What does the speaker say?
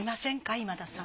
今田さん。